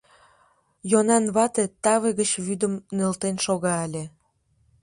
Йонан вате таве гыч вӱдым нӧлтен шога ыле.